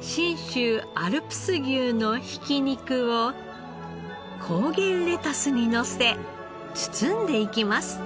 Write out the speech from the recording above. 信州アルプス牛のひき肉を高原レタスにのせ包んでいきます。